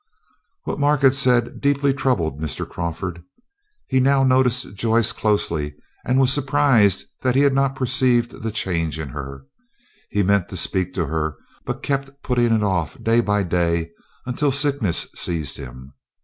What Mark had said deeply troubled Mr. Crawford. He now noticed Joyce closely, and was surprised that he had not perceived the change in her. He meant to speak to her, but kept putting it off day by day, until sickness seized him.